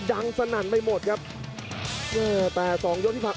ดังสนั่นไปหมดครับแต่๒ยกที่ผ่าน